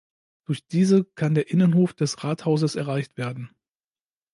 Durch diese kann der Innenhof des Rathauses erreicht werden.